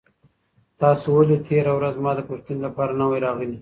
تاسو ولې تېره ورځ زما د پوښتنې لپاره نه وئ راغلي؟